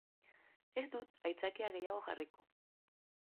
Ez dut aitzakia gehiago jarriko.